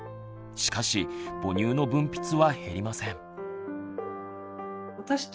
しかし母乳の分泌は減りません。